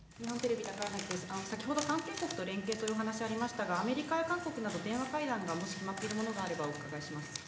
先ほど関係国と連携というお話ありましたが、アメリカや韓国など、電話会談がもし決まっているものがあればお伺いします。